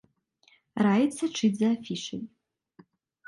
Раіць сачыць за афішай.